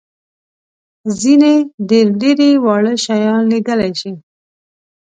ځینې ډېر لېري واړه شیان لیدلای شي.